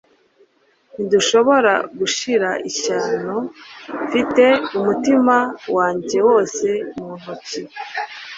Ntidushobora gushira ishyano Nfite umutima wanjye wose mu ntoki